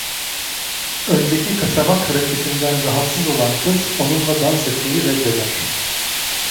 Önceki kaçamak hareketinden rahatsız olan kız, onunla dans etmeyi reddeder.